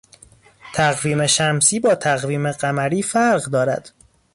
تقویم شمسی با تقویم قمری فرق دارد.